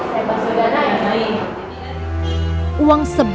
saya masuk dana yang lain